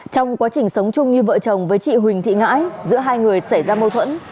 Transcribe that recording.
trong quá trình sống chung như vợ chồng với chị huỳnh thị ngãi giữa hai người xảy ra mâu thuẫn